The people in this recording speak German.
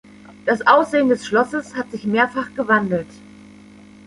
Das Aussehen des Schlosses hat sich mehrfach gewandelt.